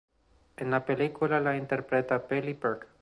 En la película la interpreta Billie Burke.